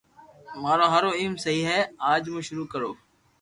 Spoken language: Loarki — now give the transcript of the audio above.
مارو ھارو ايم سھي ھي اج مون ݾروع ڪرو